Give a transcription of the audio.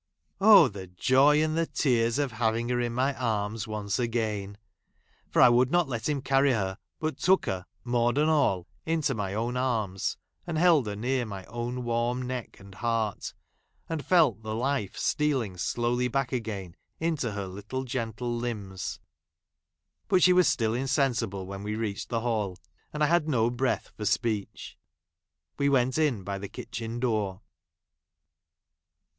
Oh ! the joy, and the tears of ' having her in my arms once again ! for I ' would not let him carry her ; but took her, ji maud and all, into my own arms, and held j; her near my own warm neck and heart, ij and felt the life stealing slowly back again j into her little gentle limbs. But she was still I insensible when we reached the hall, and I I had no breath for speech. went in by ; the kitchen door.